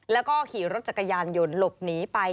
แล้วก็ขี่รถจักรยานยนต์หลบหนีไป